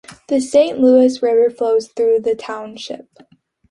The Saint Louis River flows through the township.